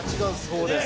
そうです